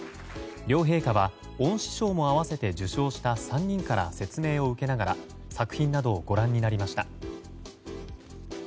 両陛下は恩賜賞も併せて受賞した３人から説明を受けながら作品などをご覧になりました。